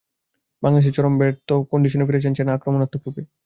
বাংলাদেশে চরম ব্যর্থ হামিশ রাদারফোর্ড চেনা কন্ডিশনে ফিরেছেন চেনা আক্রমণাত্মক রূপে।